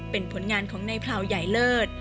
เป็นผลงานของในพราวใหญ่เลิศ